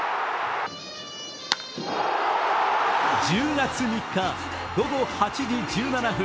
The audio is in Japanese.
１０月３日午後８時１７分。